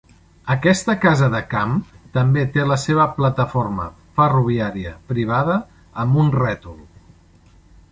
Aquesta casa de camp també té la seva plataforma ferroviària privada amb un rètol.